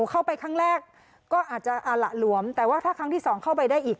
เข้าไปครั้งแรกก็อาจจะหละหลวมแต่ว่าถ้าครั้งที่สองเข้าไปได้อีก